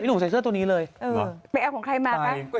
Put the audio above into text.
พี่หนุ่มกินเดี๋ยวนี้ก็ให้รถบริการค่ะพี่หนุ่มกินเดี๋ยวนี้ก็ให้รถบริการค่ะ